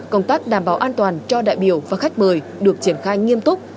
công tác đảm bảo an toàn cho đại biểu và khách mời được triển khai nghiêm túc